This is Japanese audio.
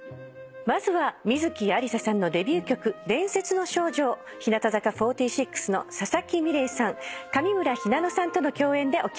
まずは観月ありささんのデビュー曲『伝説の少女』を日向坂４６の佐々木美玲さん上村ひなのさんとの共演でお聴きください。